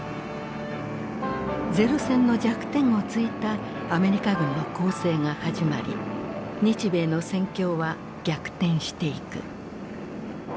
零戦の弱点をついたアメリカ軍の攻勢が始まり日米の戦況は逆転していく。